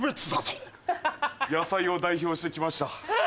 野菜を代表して来ました。